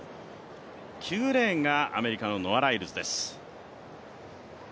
９レーンがアメリカのノア・ライルズです。